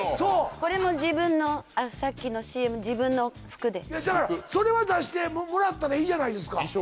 これも自分のさっきのＣＭ自分の服でそれは出してもらったらいいじゃないですか？